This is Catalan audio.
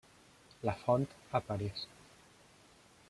Lafont a París.